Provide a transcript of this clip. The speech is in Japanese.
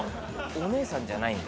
お姉さんじゃないんだ。